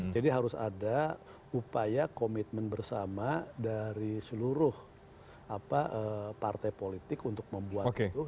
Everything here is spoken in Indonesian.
jadi harus ada upaya komitmen bersama dari seluruh partai politik untuk membuat itu